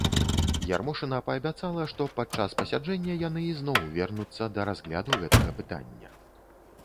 Ярмошына паабяцала, што падчас пасяджэння яны ізноў вернуцца да разгляду гэтага пытання.